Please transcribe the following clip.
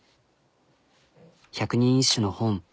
「百人一首」の本。